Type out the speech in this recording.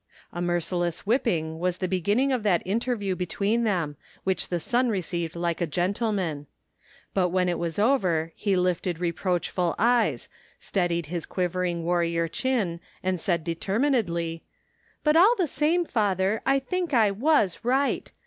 A merciless whipping was the be ginning of that interview between them, which the son received like a gentleman. But when it was over he lifted reproachful eyes, steadied his quivering warrior 142 THE FINDING OF JASPER HOLT chin and said determinedly :" But all the same, father, I think I zvas right!